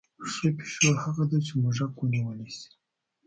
ښه پیشو هغه ده چې موږک ونیولی شي.